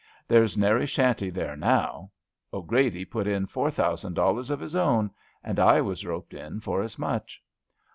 There's nary shanty there now. O 'Grady put in four thousand dollars of his own, and I was roped in for as much.